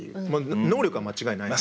能力は間違いないので。